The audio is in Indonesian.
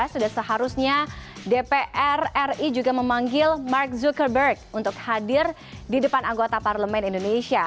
sudah seharusnya dpr ri juga memanggil mark zuckerberg untuk hadir di depan anggota parlemen indonesia